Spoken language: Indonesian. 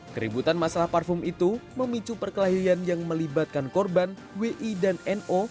keributan masalah parfum itu memicu perkelahian yang melibatkan korban wi dan no